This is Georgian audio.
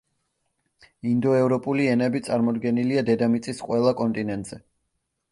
ინდოევროპული ენები წარმოდგენილია დედამიწის ყველა კონტინენტზე.